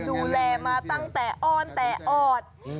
ดูแลมาตั้งแต่อ้อนแต่ออด